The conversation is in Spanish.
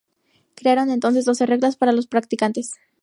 Crearon entonces doce reglas para los practicantes.